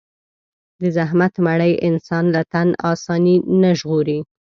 د زحمت مړۍ انسان له تن آساني نه ژغوري.